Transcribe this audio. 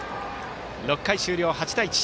６回終了、８対１。